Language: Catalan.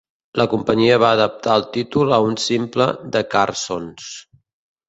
La companyia va adaptar el títol a un simple The Carsons.